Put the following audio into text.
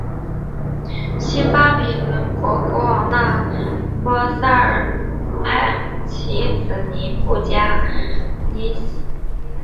新巴比伦王国国王那波帕拉萨尔派其子尼布甲尼撒二世率领联军进攻亚述的残余势力。